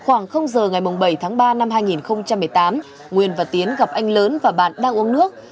anh lớn gặp anh lớn và bạn đang uống nước